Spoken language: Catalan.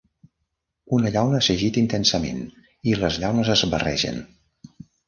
Una llauna s'agita intensament i les llaunes es barregen.